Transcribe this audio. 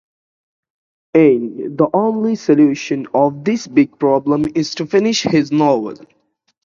And the only solution to this big problem is to finish his novel.